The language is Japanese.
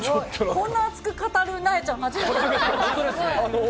こんな熱く語るなえちゃん、本当ですね。